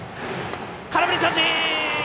空振り三振！